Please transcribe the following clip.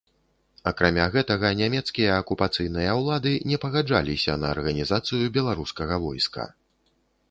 Акрамя гэтага, нямецкія акупацыйныя ўлады не пагаджаліся на арганізацыю беларускага войска.